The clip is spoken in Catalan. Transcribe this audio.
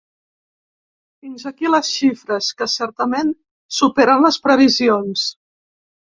Fins aquí les xifres, que, certament, superen les previsions.